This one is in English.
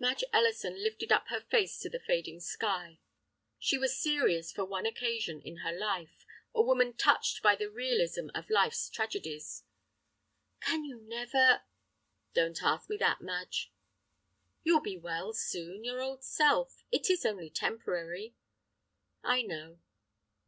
Madge Ellison lifted up her face to the fading sky. She was serious for one occasion in her life, a woman touched by the realism of life's tragedies. "Can you never—?" "Don't ask me that, Madge." "You will be well, soon, your old self. It is only temporary." "I know."